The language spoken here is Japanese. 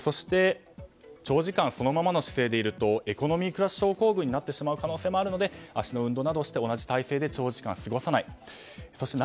そして、長時間そのままの姿勢でいるとエコノミークラス症候群になってしまう可能性もあるので足の運動などをして同じ体勢で長時間過ごさない。